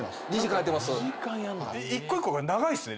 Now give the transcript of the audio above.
一個一個が長いっすね